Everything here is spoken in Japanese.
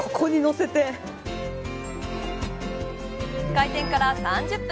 開店から３０分。